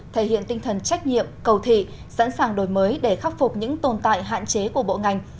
thể hiện tinh thần trách nhiệm cầu thị sẵn sàng đổi mới để khắc phục những tồn tại hạn chế của bộ ngành